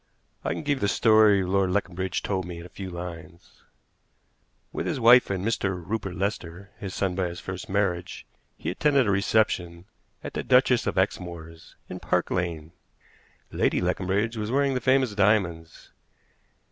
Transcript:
I can give the story Lord Leconbridge told me in a few lines: With his wife and Mr. Rupert Lester, his son by his first marriage, he attended a reception at the Duchess of Exmoor's, in Park Lane. Lady Leconbridge was wearing the famous diamonds.